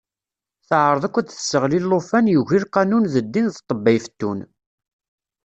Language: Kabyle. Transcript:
Teɛreḍ akk ad d-tesseɣli llufan yugi lqanun d ddin d ṭebba ifettun.